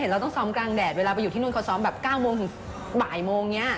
เราต้องซ้อมกลางแดดเวลาไปอยู่ที่นู่นเขาซ้อมแบบ๙โมงถึงบ่ายโมงนี้